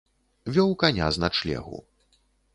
Вёў каня з начлегу.